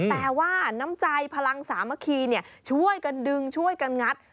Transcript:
แต่ว่าน้ำใจพลังสามัคคีช่วยกันดึงช่วยกันงัด